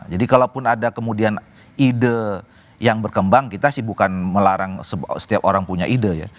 jadi kalau pun ada kemudian ide yang berkembang kita sih bukan melarang setiap orang punya ide ya